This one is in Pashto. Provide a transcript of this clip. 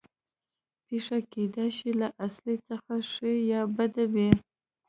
پېښه کېدای شي له اصلي څخه ښه یا بده وي